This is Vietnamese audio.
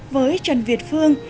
với trần việt phương